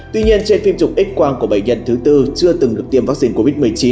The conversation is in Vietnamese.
tuy nhiên trên phim chụp x quang của bệnh nhân thứ tư chưa từng được tiêm vaccine covid một mươi chín